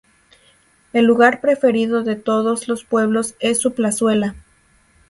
El lugar preferido de todos los pueblos es su Plazuela.